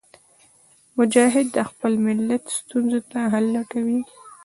مجاهد د خپل ملت ستونزو ته حل لټوي.